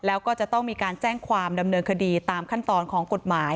แล้วก็จะต้องมีการแจ้งความดำเนินคดีตามขั้นตอนของกฎหมาย